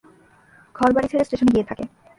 ঘরবাড়ি ছেড়ে স্টেশনে গিয়ে থাকে।